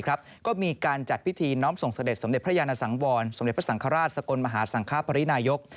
ก็มีการจัดพิธีน้อมส่งเสด็จสมเด็จพระยานสังวรสมเด็จพระสังฆราชสกลมหาสังคปรินายก